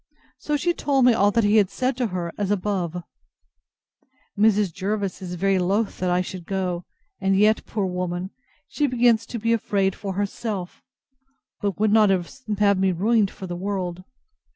So she told me all he had said to her, as above. Mrs. Jervis is very loath I should go; and yet, poor woman! she begins to be afraid for herself; but would not have me ruined for the world.